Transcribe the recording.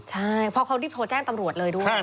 ใช่เพราะเขารีบโทรแจ้งตำรวจเลยด้วย